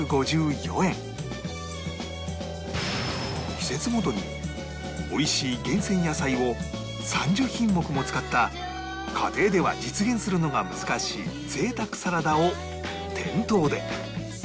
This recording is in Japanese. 季節ごとにおいしい厳選野菜を３０品目も使った家庭では実現するのが難しい贅沢サラダを店頭で